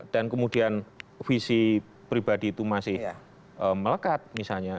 dan kemudian visi pribadi itu masih melekat misalnya